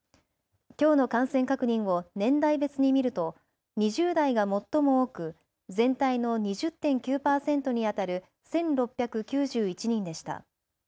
きょうの感染確認を年代別に見ると２０代が最も多く全体の２０．９％にあたる１６９１人でした。